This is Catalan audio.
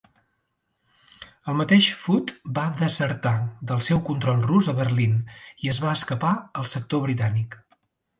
El mateix Foote va desertar del seu control rus a Berlín i es va escapar al sector britànic.